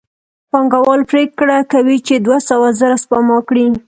پانګوال پرېکړه کوي چې دوه سوه زره سپما کړي